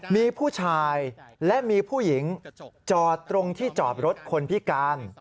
มีผู้ชายและมีผู้หญิงจอดตรงที่จอดรถคนพิการ